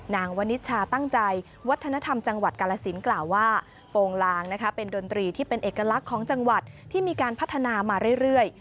วนิชชาตั้งใจวัฒนธรรมจังหวัดกาลสินกล่าวว่าโปรงลางนะคะเป็นดนตรีที่เป็นเอกลักษณ์ของจังหวัดที่มีการพัฒนามาเรื่อย